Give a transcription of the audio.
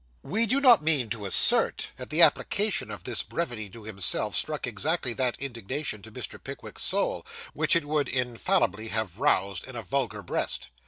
We do not mean to assert that the application of this brevity to himself, struck exactly that indignation to Mr. Pickwick's soul, which it would infallibly have roused in a vulgar breast.